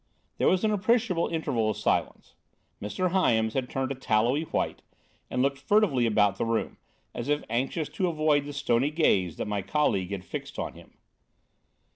There was an appreciable interval of silence. Mr. Hyams had turned a tallowy white, and looked furtively about the room, as if anxious to avoid the stony gaze that my colleague had fixed on him.